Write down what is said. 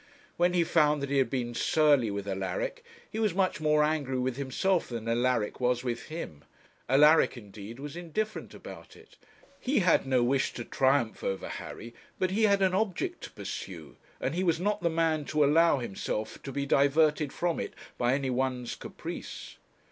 When he found that he had been surly with Alaric, he was much more angry with himself than Alaric was with him. Alaric, indeed, was indifferent about it. He had no wish to triumph over Harry, but he had an object to pursue, and he was not the man to allow himself to be diverted from it by any one's caprice.